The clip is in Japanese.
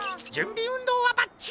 うんどうはばっちりじゃ！